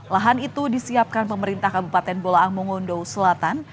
lahan itu disiapkan pemerintah kabupaten bolaang mongondo selatan